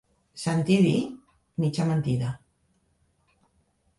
Sentir dir? Mitja mentida.